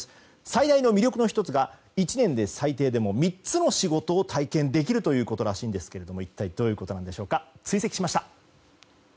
最大の魅力の１つが１年で最低でも３つの仕事を体験できるということらしいんですけど一体どういうことなんでしょうか追跡しました。